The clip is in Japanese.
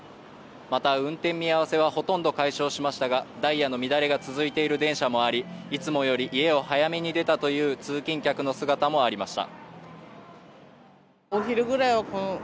また運転見合せはほとんど解消しましたが、ダイヤの乱れが続いている電車もあり、いつもより家を早く出たという通勤客の姿もありました。